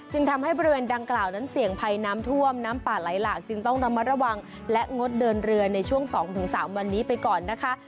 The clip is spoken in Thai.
จึงทำให้บริเวณดังกล่าวนั้นเสี่ยงภัยน้ำท่วมน้ำป่าไหลหลากจึงต้องระมัดระวังและงดเดินเรือในช่วง๒๓วันนี้ไปก่อนนะคะ